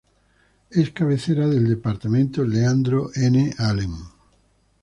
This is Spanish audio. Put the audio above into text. Es cabecera del departamento Leandro N. Alem.